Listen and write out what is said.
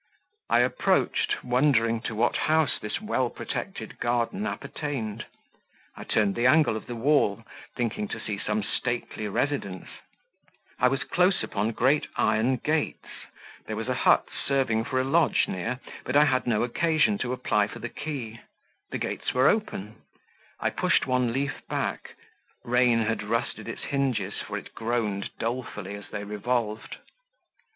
I approached, wondering to what house this well protected garden appertained; I turned the angle of the wall, thinking to see some stately residence; I was close upon great iron gates; there was a hut serving for a lodge near, but I had no occasion to apply for the key the gates were open; I pushed one leaf back rain had rusted its hinges, for it groaned dolefully as they revolved.